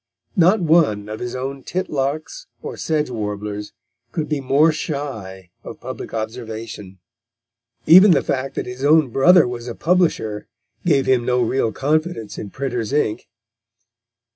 Not one of his own titlarks or sedge warblers could be more shy of public observation. Even the fact that his own brother was a publisher gave him no real confidence in printers' ink.